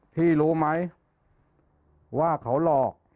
พี่รู้ไหมว่าเขาหลอก